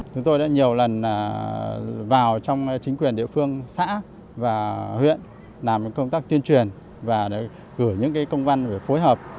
chúng tôi đã nhiều lần vào trong chính quyền địa phương xã và huyện làm công tác tuyên truyền và gửi những công văn về phối hợp